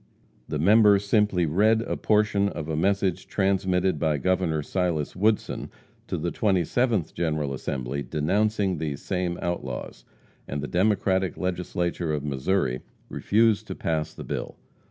The member simply read a portion of a message transmitted by Governor Silas Woodson to the 27th General Assembly denouncing these same outlaws; and the Democratic Legislature of Missouri refused to pass the bill.